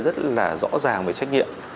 rất là rõ ràng về trách nhiệm